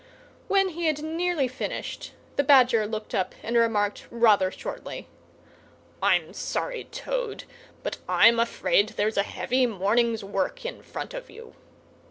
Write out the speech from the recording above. When he had nearly finished, the Badger looked up and remarked rather shortly: "I'm sorry, Toad, but I'm afraid there's a heavy morning's work in front of you.